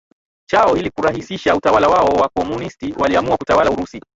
chao Ili kurahisisha utawala wao Wakomunisti waliamua kutawala Urusi